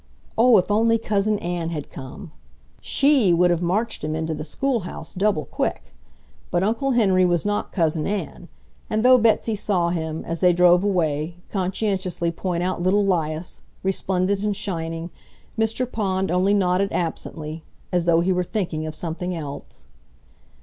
Oh, if only Cousin Ann had come! SHE would have marched him into the schoolhouse double quick. But Uncle Henry was not Cousin Ann, and though Betsy saw him, as they drove away, conscientiously point out little 'Lias, resplendent and shining, Mr. Pond only nodded absently, as though, he were thinking of something else.